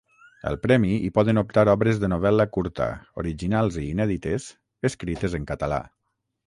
Al premi hi poden optar obres de novel·la curta, originals i inèdites, escrites en català.